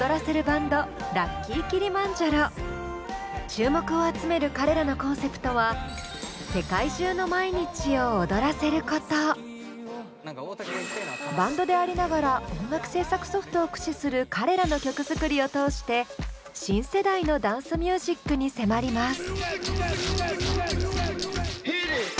注目を集める彼らのコンセプトはバンドでありながら音楽制作ソフトを駆使する彼らの曲作りを通して新世代のダンスミュージックに迫ります。